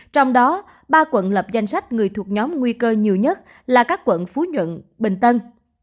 trong đó ba quận lập danh sách người thuộc nhóm nguy cơ nhiều nhất là các quận phú nhuận bình tân